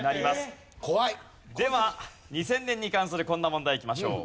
では２０００年に関するこんな問題いきましょう。